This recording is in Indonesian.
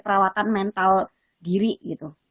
perawatan mental diri gitu